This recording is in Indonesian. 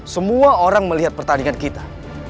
semua orang melihat pertandingan kita